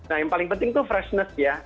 nah yang paling penting itu freshness ya